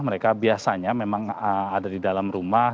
mereka biasanya memang ada di dalam rumah